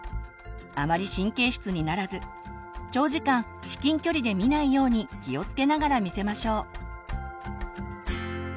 あまり神経質にならず長時間至近距離で見ないように気をつけながら見せましょう。